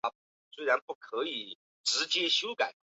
发生事故的是一列属于。